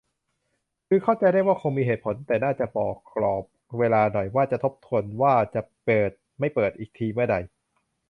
คือเข้าใจได้ว่าคงมีเหตุผล แต่น่าจะบอกกรอบเวลาหน่อย ว่าจะทบทวนว่าจะเปิด-ไม่เปิดอีกทีเมื่อใด